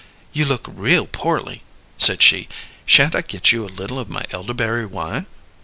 "You look real poorly," said she. "Sha'n't I get you a little of my elderberry wine?"